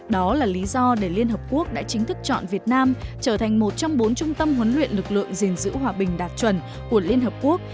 đó là lý do để liên hợp quốc đã chính thức chọn việt nam trở thành một trong bốn trung tâm huấn luyện lực lượng gìn giữ hòa bình đạt chuẩn của liên hợp quốc